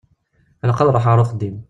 Ilaq ad ṛuḥeɣ ar uxeddim.